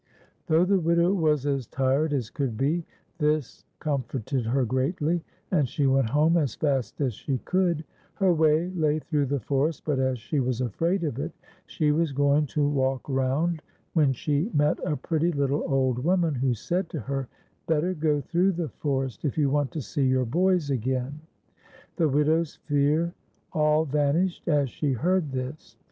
Though the widow was as tired as could be, this comforted her greatU , and she went home as fast as she could. Her way lay through the forest, but as she was afraid of it, she was going to walk round. 138 TIFSY'S SILVER BELL. when she met a pretty Httle old woman, who said to her, " Better go through the forest if you want to see your boys again." The widow's fear all vanished as she heard this.